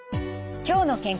「きょうの健康」